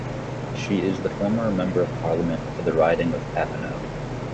She is the former Member of Parliament for the riding of Papineau.